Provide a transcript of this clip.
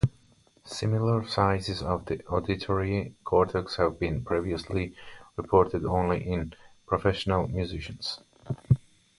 Similar sizes of the auditory cortex have been previously reported only in professional musicians.